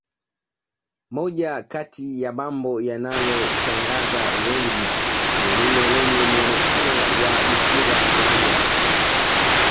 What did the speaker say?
moja Kati ya mambo yanaloshangaza wengi ni lile lenye muonekano wa bikira maria